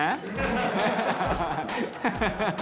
「ハハハハ！」